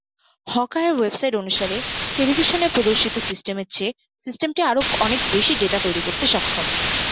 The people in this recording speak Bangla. হক-আইয়ের ওয়েবসাইট অনুসারে, টেলিভিশনে প্রদর্শিত সিস্টেমের চেয়ে সিস্টেমটি আরও অনেক বেশি ডেটা তৈরি করতে সক্ষম।